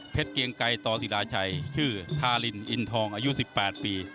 เกียงไกรต่อศิราชัยชื่อทารินอินทองอายุ๑๘ปี